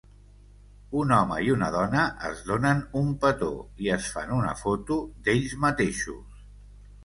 Un home i una dona es donen un petó i es fan una foto d'ells mateixos.